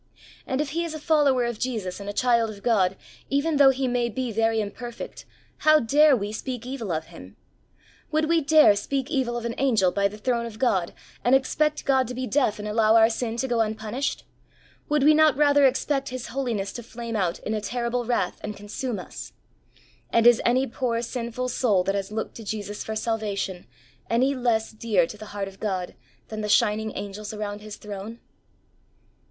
And if he is a follower of Jesus and a child of God, even though he may be very imperfect, how dare we speak evil of him ! Would we dare speak evil of an angel by 101 HEART TALKS ON HOLINESS. the Throne of God and expect God to be deaf and allo\^ our sin to go unpunished ? Would we not rather expect His holiness to flame out in terrible wrath and consume us ? And is any poor sinful .soul that has looked to Jesus for salvation, any less dear to the heart of God than the shining angels around His throne